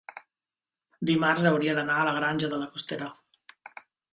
Dimarts hauria d'anar a la Granja de la Costera.